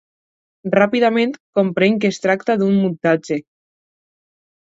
Ràpidament, comprèn que es tracta d'un muntatge.